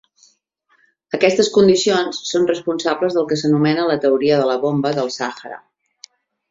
Aquestes condicions són responsables del que s'anomena la teoria de la bomba del Sàhara.